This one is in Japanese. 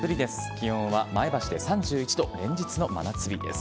気温は前橋で３１度、連日の真夏日です。